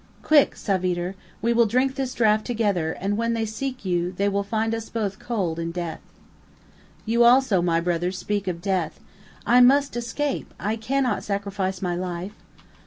"Quick, Savitre; we will drink this draught together, and when they seek you, they will find us both cold in death." "You also, my brother, speak of death! I must escape I cannot sacrifice my life!"